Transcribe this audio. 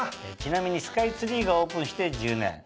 ちなみにスカイツリーがオープンして１０年。